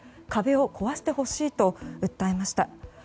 壁を壊してほしいと訴えました。